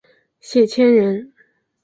谢迁人。